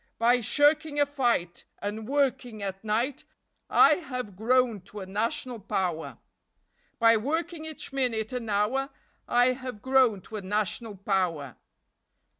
By shirking a fight and working at night I have grown to a National power! By working each minute and hour I have grown to a National power!